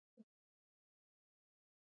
نو راته وويل تشويش مه کړه.